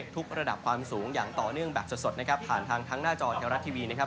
ระดับความสูงอย่างต่อเนื่องแบบสดนะครับผ่านทางหน้าจอเทวรัฐทีวีนะครับ